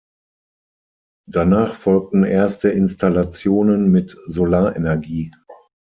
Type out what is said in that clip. Danach folgten erste Installationen mit Solarenergie.